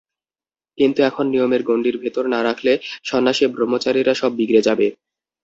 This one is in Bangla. কিন্তু এখন নিয়মের গণ্ডীর ভেতর না রাখলে সন্ন্যাসী-ব্রহ্মচারীরা সব বিগড়ে যাবে।